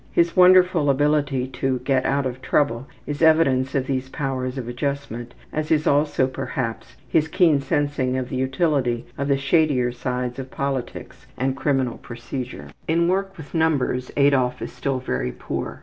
His wonderful ability to get out of trouble is evidence of these powers of adjustment, as is also, perhaps, his keen sensing of the utility of the shadier sides of politics and criminal procedure. In work with numbers Adolf is still very poor.